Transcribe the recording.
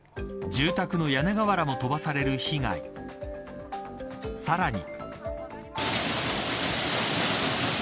住宅の屋根瓦も飛ばされる被害さらに。